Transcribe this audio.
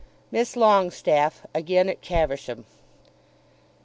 MISS LONGESTAFFE AGAIN AT CAVERSHAM.